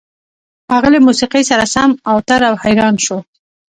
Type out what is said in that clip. هغه له موسيقۍ سره سم اوتر او حيران شو.